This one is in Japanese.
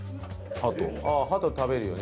ハト食べるよね。